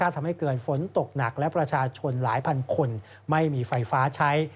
ทำให้เกิดฝนตกหนักและประชาชนหลายพันคนไม่มีไฟฟ้าใช้